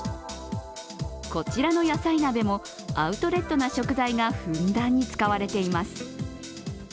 こちらの野菜鍋もアウトレットな食材がふんだんに使われています。